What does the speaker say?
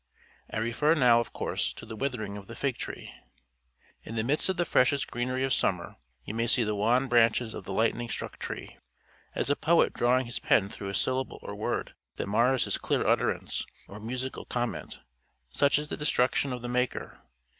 I refer now, of course, to the withering of the fig tree. In the midst of the freshest greenery of summer, you may see the wan branches of the lightning struck tree. As a poet drawing his pen through syllable or word that mars his clear utterance or musical comment, such is the destruction of the Maker.